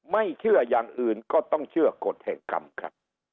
ไม่เชื่ออย่างอื่นก็ต้องเชื่อกฎแห่งกรรมครับ